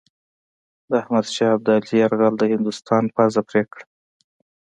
د احمدشاه ابدالي یرغل د هندوستان پزه پرې کړه.